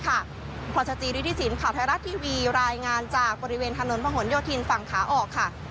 ของพอร์ชะจีริฐิสินข่าวไทยรัฐทีวีรายงานจากบริเวณถนนภงศ์โยธินฝั่งขาออก